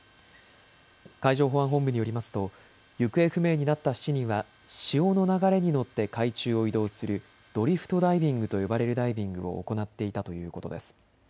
海上保安本部によりますと行方不明になった７人は潮の流れに乗って海中を移動するドリフトダイビングと呼ばれるダイビングを行っていたということです。